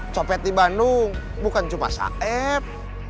cepet di bandung bukan cuma saeb